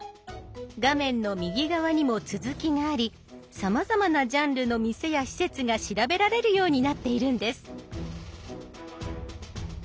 画面の右側にも続きがありさまざまなジャンルの店や施設が調べられるようになっているんです。